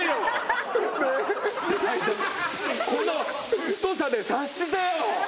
この太さで察してよ。